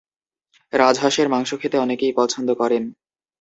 রাজহাঁসের মাংস খেতে অনেকেই পছন্দ করেন।